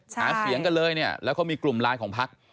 เสียงกันเลยแล้วเขามีกลุ่มลายของพักษ์